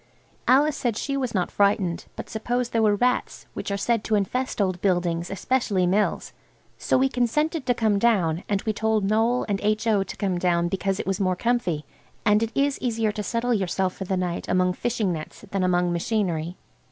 Alice said she was not frightened, but suppose there were rats, which are said to infest old buildings, especially mills? So we consented to come down, and we told Noël and H.O. to come down because it was more comfy, and it is easier to settle yourself for the night among fishing nets than among machinery.